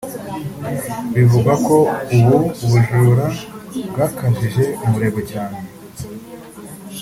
Bivugwa ko ubu bujura bwakajije umurego cyane